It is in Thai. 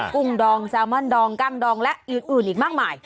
ุ้งดองแซลมอนดองกั้งดองและอื่นอีกมากมาย